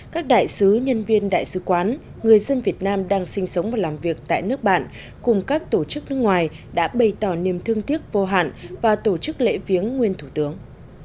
các đại sứ nhân viên đại sứ quán người dân việt nam đang sinh sống và làm việc tại nước bạn cùng các tổ chức nước ngoài đã bày tỏ niềm thương tiếc vô hạn và tổ chức lễ viếng nguyên thủ tướng